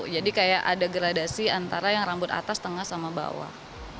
jadi kayak ada gradasi antara yang rambut atas tengah sama bawah